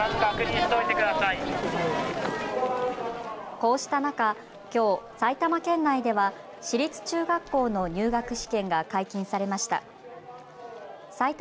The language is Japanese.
こうした中、きょう埼玉県内では私立中学校の入学試験が解禁されました。